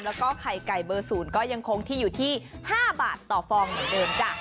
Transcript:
แล้วก็ไข่ไก่เบอร์๐ก็ยังคงที่อยู่ที่๕บาทต่อฟองเหมือนเดิมจ้ะ